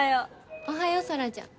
おはよう空ちゃん。